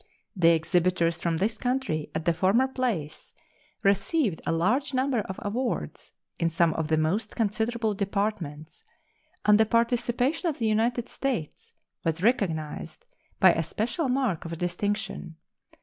The exhibitors from this country at the former place received a large number of awards in some of the most considerable departments, and the participation of the United States was recognized by a special mark of distinction.